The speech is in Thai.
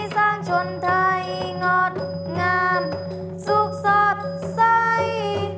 สร้างชนไทยงดงามสุขสดใส